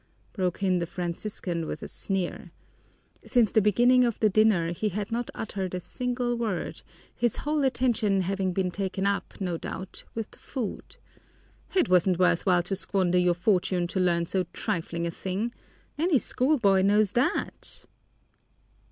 broke in the Franciscan with a sneer. Since the beginning of the dinner he had not uttered a single word, his whole attention having been taking up, no doubt, with the food. "It wasn't worth while to squander your fortune to learn so trifling a thing. Any schoolboy knows that."